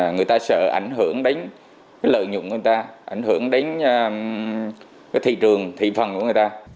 người ta sợ ảnh hưởng đến lợi nhuận của người ta ảnh hưởng đến thị trường thị phần của người ta